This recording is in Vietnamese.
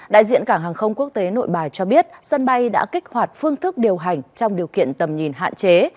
đại diện cảng hàng không quốc tế nội bài cho biết sân bay đã kích hoạt phương thức điều hành trong điều kiện tầm nhìn hạn chế